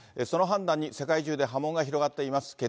その判断に、世界中で波紋が広がっています。